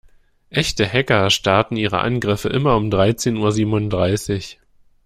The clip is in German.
Echte Hacker starten ihre Angriffe immer um dreizehn Uhr siebenunddreißig.